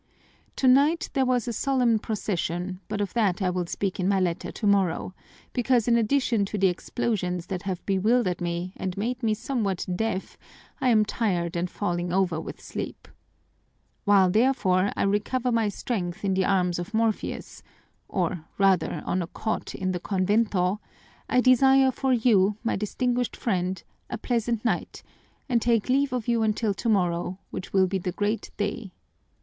"Tonight there was a solemn procession, but of that I will speak in my letter tomorrow, because in addition to the explosions that have bewildered me and made me somewhat deaf I am tired and falling over with sleep. While, therefore, I recover my strength in the arms of Morpheus or rather on a cot in the convento I desire for you, my distinguished friend, a pleasant night and take leave of you until tomorrow, which will be the great day.